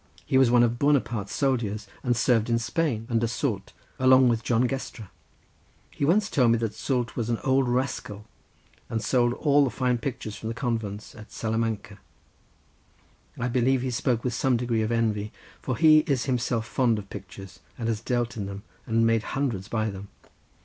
He was one of Buonaparte's soldiers and served in Spain, under Soult, along with John Gestra. He once told me that Soult was an old rascal, and stole all the fine pictures from the convents, at Salamanca. I believe he spoke with some degree of envy, for he is himself fond of pictures, and has dealt in them, and made hundreds by them.